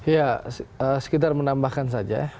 ya sekitar menambahkan saja